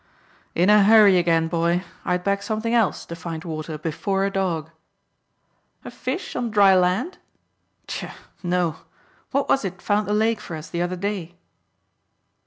"In a hurry again, boy. I'd back something else to find water before a dog." "A fish on dry land?" "Tchah! No. What was it found the lake for us the other day?"